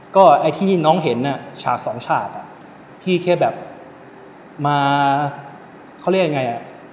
ก็ที่น้องเห็นชาติสองช่างผมเท่าที่ก็แบบมาเขาเรียกอะไรไงอ่ะ